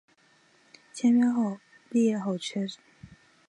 毕业后签约邵氏兄弟有限公司成为基本合约演员。